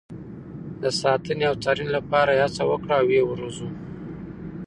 د ساتنې او څارنې لپاره یې هڅه وکړو او ویې روزو.